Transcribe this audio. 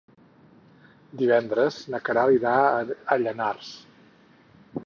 Divendres na Queralt irà a Llanars.